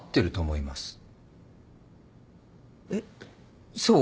えっそう？